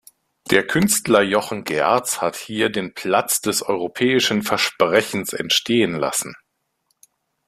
Der Künstler Jochen Gerz hat hier den "Platz des europäischen Versprechens" entstehen lassen.